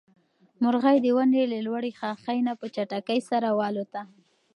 مرغۍ د ونې له لوړې ښاخۍ نه په چټکۍ سره والوته.